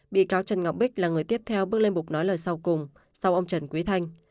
bị cáo trần ngọc bích là người tiếp theo bước lên bục nói lời sau cùng sau ông trần quý thanh